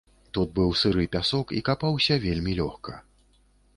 Тут быў сыры пясок і капаўся вельмі лёгка.